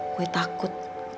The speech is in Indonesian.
gue takut ya